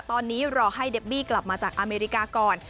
ตอนนี้รอให้เดบบี้กลับมาจากอเมริกาก่อน